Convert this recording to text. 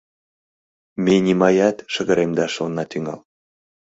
— Ме нимаят шыгыремдаш она тӱҥал.